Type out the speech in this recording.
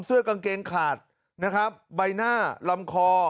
เสื้อกางเกงขาดนะครับใบหน้าลำคอ